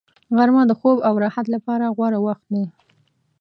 غرمه د خوب او راحت لپاره غوره وخت دی